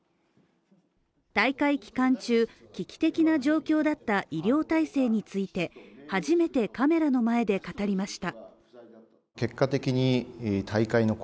大会期間中、危機的な状況だった医療体制について初めてカメラの前で語りました。